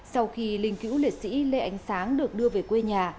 sau khi linh cữu liệt sĩ lê ánh sáng được đưa về quê nhà